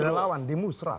di relawan di musrah